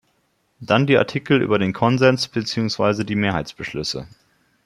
Dann die Artikel über den Konsens beziehungsweise die Mehrheitsbeschlüsse.